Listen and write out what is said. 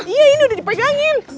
iya ini udah dipegangin